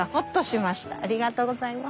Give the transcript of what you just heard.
ありがとうございます。